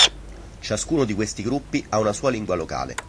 Ciascuno di questi gruppi ha una sua lingua locale.